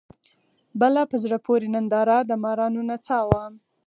بله په زړه پورې ننداره د مارانو نڅا وه.